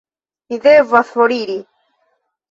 Mi devas foriri.